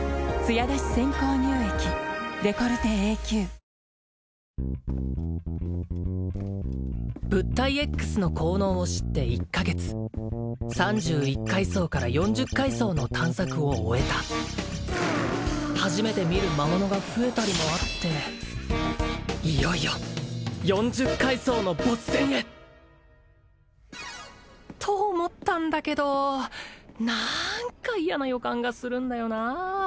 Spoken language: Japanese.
それがオンリーワンの「ＮＡＮＯＸｏｎｅ」物体Ｘの効能を知って１カ月三十一階層から四十階層の探索を終えた初めて見る魔物が増えたりもあっていよいよ四十階層のボス戦へと思ったんだけどなーんか嫌な予感がするんだよなあ